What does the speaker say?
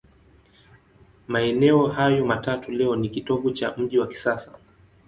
Maeneo hayo matatu leo ni kitovu cha mji wa kisasa.